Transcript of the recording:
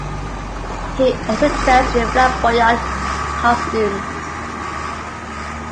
He also dressed in flamboyant costumes.